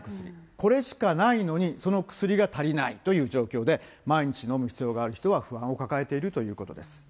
これしかないのに、その薬が足りないという状況で、毎日飲む必要がある人は不安を抱えているということです。